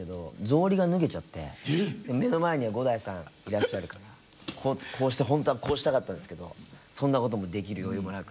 目の前には伍代さんいらっしゃるからこうしてほんとはこうしたかったんですけどそんなこともできる余裕もなく。